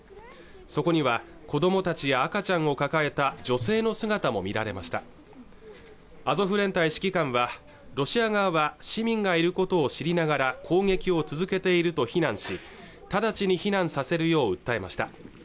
そこには子どもたちや赤ちゃんを抱えた女性の姿も見られましたアゾフ連隊指揮官はロシア側は市民がいることを知りながら攻撃を続けていると非難し直ちに避難させるよう訴えました